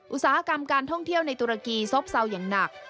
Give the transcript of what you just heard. อุตสาหกรรมการท่องเที่ยวในตุรกีซบเศร้าอย่างหนัก